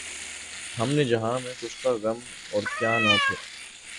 ہم سے جہاں میں کشتۂ غم اور کیا نہ تھے